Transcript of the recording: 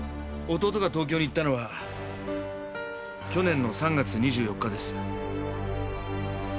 弟が東京に行ったのは去年の３月２４日です。